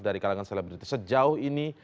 dari kalangan selebritis sejauh ini